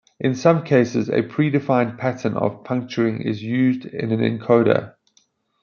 In some cases, a pre-defined pattern of puncturing is used in an encoder.